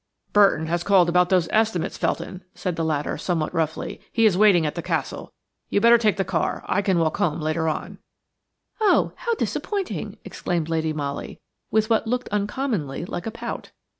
"Burton has just called about those estimates, Felkin," said the latter, somewhat roughly; "he is waiting at the Castle. You had better take the car–l can walk home later on." "Oh! how disappointing!" exclaimed Lady Molly, with what looked uncommonly like a pout.